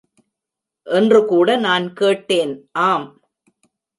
என்று கூட நான் கேட்டேன். ஆம்!